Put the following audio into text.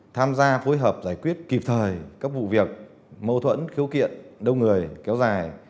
tham gia phối hợp giải quyết kịp thời các vụ việc mâu thuẫn khiếu kiện đông người kéo dài